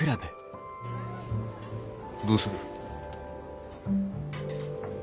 どうする？